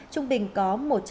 trung bình có